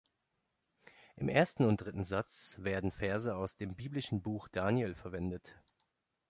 Im ersten und dritten Satz werden Verse aus dem biblischen Buch Daniel verwendet.